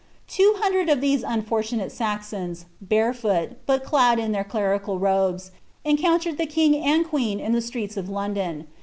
Two hundred of these unfortunate Saxons, barefoot, but clad in iheit clerical robes, encountered the king and queen in the streets of London.